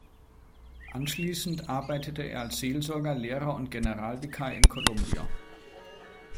Anschließend arbeitete er als Seelsorger, Lehrer und Generalvikar in Columbia.